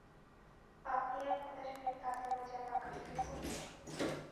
পাপিয়ার কথা শুনে তাসলিমা যেন আকাশ থেকে পড়ল।